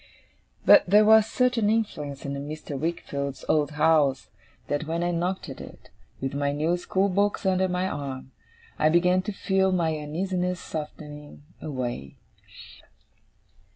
But there was such an influence in Mr. Wickfield's old house, that when I knocked at it, with my new school books under my arm, I began to feel my uneasiness softening away.